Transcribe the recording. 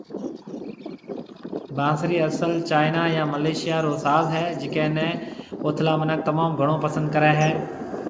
بانسري اصل چائينا يا ملائيشيا رو ساز ھيَََ جڪي ني اوٿلا منک تموم گھڻو پسند ڪري ھيَََ